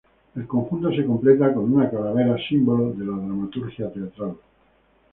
El conjunto se completa con una calavera símbolo de la dramaturgia teatral.